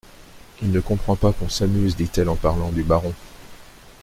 Il ne comprend pas qu'on s'amuse, dit-elle en parlant du baron.